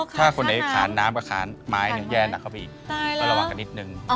ถ้าคนในขานน้ำกับขานไม้แย่น่ะเขาอีกต้องระวังกันนิดนึง